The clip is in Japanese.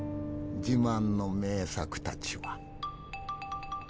自慢の名作たちは。